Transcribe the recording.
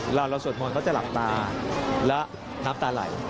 หลังแล้วส่วนทวนเขาจะหลับตาและน้ำตาไหล